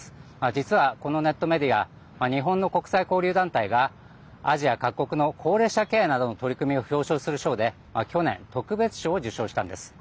実は、このネットメディア日本の国際交流団体がアジア各国の高齢者ケアなどの取り組みを表彰する賞で去年、特別賞を受賞したんです。